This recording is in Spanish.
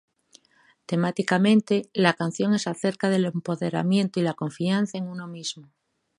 Temáticamente, la canción es acerca del empoderamiento y la confianza en uno mismo.